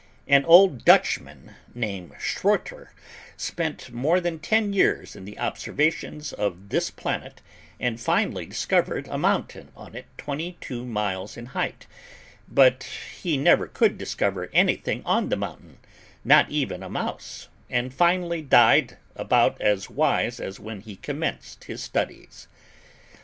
An old Dutchman named Schroeter spent more than ten years in observations on this planet, and finally discovered a mountain on it twenty two miles in height, but he never could discover anything on the mountain, not even a mouse, and finally died about as wise as when he commenced his studies.